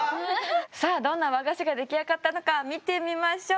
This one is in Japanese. さあどんな和菓子が出来上がったのか見てみましょう！